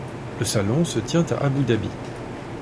Le salon se tient à Abou Dabi.